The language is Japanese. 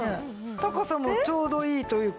高さもちょうどいいというか。